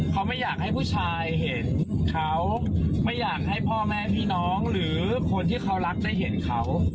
เขาไม่อยากให้ผู้ชายเห็นเขาไม่อยากให้พ่อแม่พี่น้องหรือคนที่เขารักได้เห็นเขา